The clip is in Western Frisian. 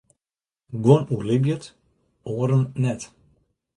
Guon oerlibje it, oaren net.